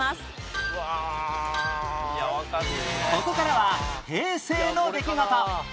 ここからは平成の出来事